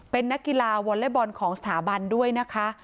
เป็นนักกีฬาวอลเล็ตบอลของสถาบันด้วยนะคะ